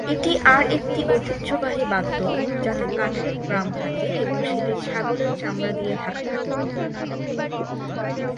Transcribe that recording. এটি আর একটি ঐতিহ্যবাহী বাদ্য, যাতে কাঠের ড্রাম থাকে এবং সেটি ছাগলের চামড়া দিয়ে ঢাকা থাকে।